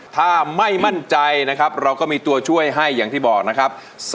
ถ้าไม่มั่นใจนะครับเราก็มีตัวช่วยให้อย่างที่บอกนะครับ